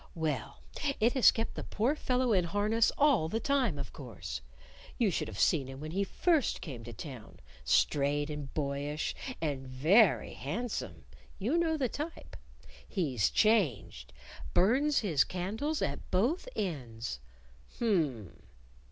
"Well, it has kept the poor fellow in harness all the time, of course. You should have seen him when he first came to town straight and boyish, and very handsome. (You know the type.) He's changed! Burns his candles at both ends." "Hm!"